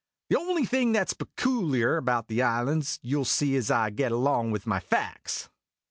The only thing that 's pecooliar about the islands you '11 see as I get along with my facts.